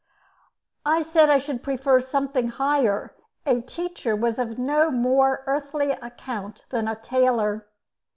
I said I should prefer something higher; a teacher was of no more earthly account than a tailor.